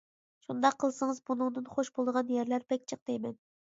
شۇنداق قىلسىڭىز بۇنىڭدىن خوش بولىدىغان يەرلەر بەك جىق دەيمەن!